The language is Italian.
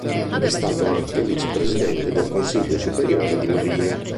È stato anche vice-presidente del Consiglio superiore di marina.